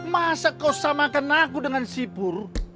masa kau sama kan aku dengan sipur